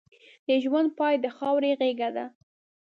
د ژوند پای د خاورې غېږه ده.